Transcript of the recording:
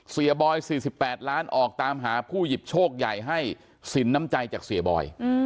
บอย๔๘ล้านออกตามหาผู้หยิบโชคใหญ่ให้สินน้ำใจจากเสียบอย